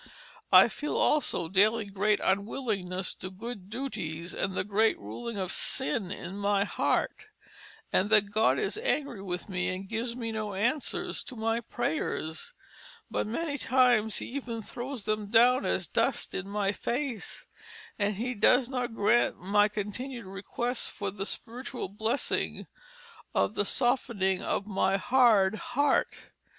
I feel also daily great unwillingness to good duties, and the great ruling of sin in my heart; and that God is angry with me and gives me no answers to my prayers; but many times he even throws them down as dust in my face; and he does not grant my continued request for the spiritual blessing of the softening of my hard heart.